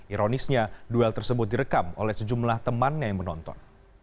ironisnya duel tersebut direkam oleh sejumlah temannya yang menonton